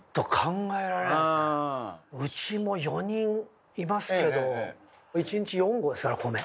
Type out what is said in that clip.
うちも４人いますけど１日４合ですから米。